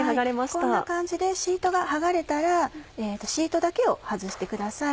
こんな感じでシートが剥がれたらシートだけを外してください。